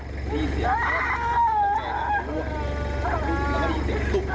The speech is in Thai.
ฮ้ย